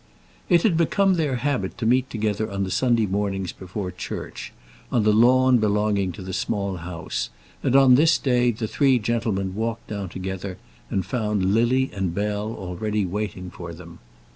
It had become their habit to meet together on the Sunday mornings before church, on the lawn belonging to the Small House, and on this day the three gentlemen walked down together, and found Lily and Bell already waiting for them.